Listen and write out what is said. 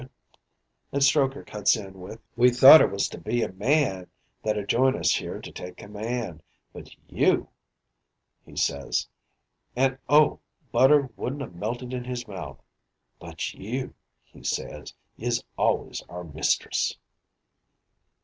"And Strokher cuts in with "'We thought it was to be a man that 'ud join us here to take command, but you,' he says an' oh, butter wouldn't a melted in his mouth 'But you he says, 'is always our mistress.